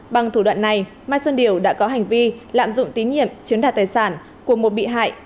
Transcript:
bằng thủ đoạn này mai xuân điều đã có hành vi lạm dụng tín nhiệm chiếm đoạt tài sản của một bị hại